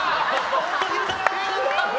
おっと、昼太郎！